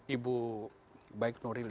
ibu baik noril